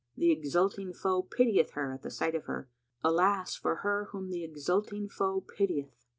The exulting foe pitieth her at the sight of her. Alas for her whom the exulting foe pitieth!"